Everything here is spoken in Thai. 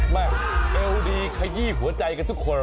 แม่เอวดีขยี้หัวใจกันทุกคน